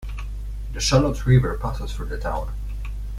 The Shallotte River passes through the town.